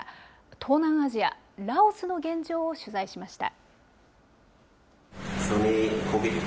東南アジア、ラオスの現状を取材しました。